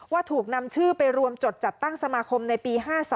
ถูกนำชื่อไปรวมจดจัดตั้งสมาคมในปี๕๒